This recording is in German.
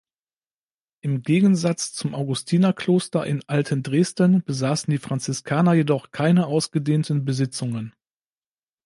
Im Gegensatz zum Augustinerkloster in Altendresden besaßen die Franziskaner jedoch keine ausgedehnten Besitzungen.